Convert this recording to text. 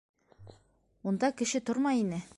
Унда кеше тормай ине.